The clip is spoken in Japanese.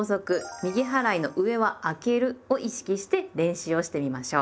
「右払いの上はあける」を意識して練習をしてみましょう。